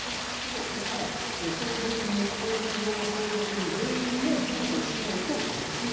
相続人、法律上の相続人全員の住所、氏名と実印。